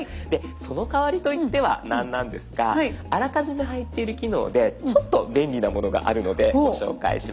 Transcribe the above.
その代わりといっては何なんですがあらかじめ入っている機能でちょっと便利なものがあるのでご紹介します。